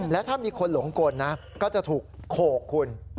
และถ้ามีคนหลงกลนะก็จะถูกโขกคุณ